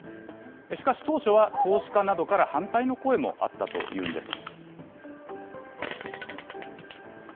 しかし、当初は投資家などから反対の声もあったというんです。